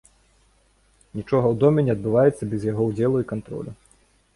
Нічога ў доме не адбываецца без яго ўдзелу і кантролю.